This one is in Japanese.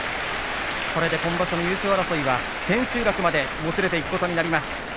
これで今場所の優勝争いが千秋楽までもつれていくことになります。